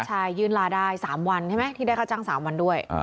ใช่ยื่นลาได้๓วันใช่ไหมที่ได้ค่าจ้าง๓วันด้วย